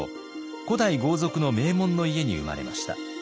古代豪族の名門の家に生まれました。